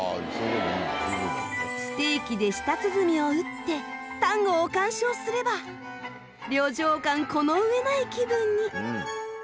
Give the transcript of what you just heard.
ステーキで舌鼓を打ってタンゴを鑑賞すれば旅情感この上ない気分に。